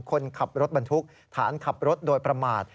คนขับรถบรรทุกฐานขับรถโดยประมาท